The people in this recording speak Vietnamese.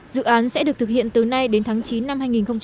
dự án sẽ được thực hiện từ nay đến tháng chín năm hai nghìn một mươi chín